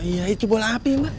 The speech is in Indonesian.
iya itu bola api mbak